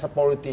saya belum tanya